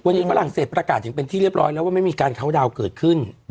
วันนี้ฝรั่งเศสประกาศอย่างเป็นที่เรียบร้อยแล้วว่าไม่มีการเข้าดาวน์เกิดขึ้น